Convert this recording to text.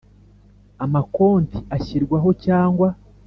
amakonti ashyirwaho cyangwa